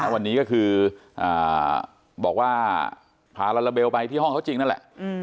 วันนี้ก็คือบอกว่าพาลาลาเบลไปที่ห้องเขาจริงนั่นแหละ